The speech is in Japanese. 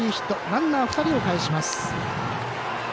ランナー２人をかえします。